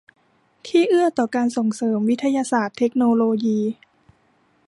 ที่เอื้อต่อการส่งเสริมวิทยาศาสตร์เทคโนโลยี